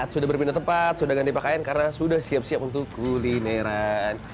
sudah berminat tepat sudah tidak dipakaikan karena sudah siap siap untuk kulineran